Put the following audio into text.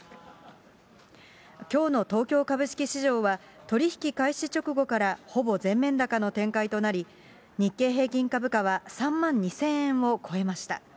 きょうの東京株式市場は、取り引き開始直後からほぼ全面高の展開となり、日経平均株価は３万２０００円を超えました。